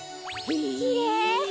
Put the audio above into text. きれい。